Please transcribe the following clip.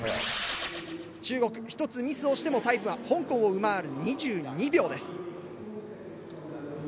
中国１つミスをしてもタイムは香港を上回る２２秒です。